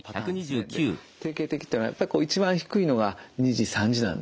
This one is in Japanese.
定型的ってのはやっぱり一番低いのが２時３時なんです。